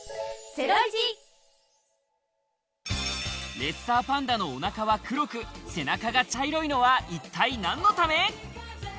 レッサーパンダのお腹は黒く、背中が茶色いのは一体何のため？